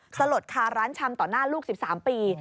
สลดคาร้านชำต่อหน้าลูก๑๓ปี